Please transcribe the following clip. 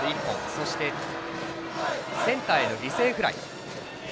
そして、センターへの犠牲フライ。